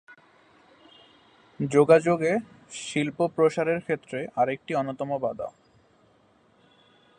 যোগাযোগ এ শিল্প প্রসারের ক্ষেত্রে আরেকটি অন্যতম বাধা।